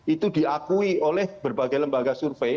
itu diakui oleh berbagai lembaga survei